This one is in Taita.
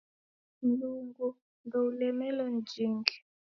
Mlungu ndoulemelo ni jingi!